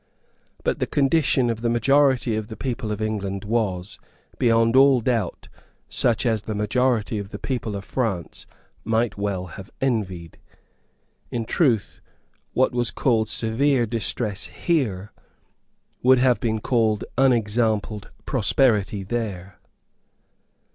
But the condition of the majority of the people of England was, beyond all doubt, such as the majority of the people of France might well have envied. In truth what was called severe distress here would have been called unexampled prosperity there.